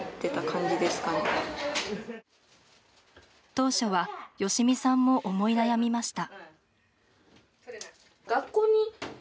当初は芳美さんも思い悩みました。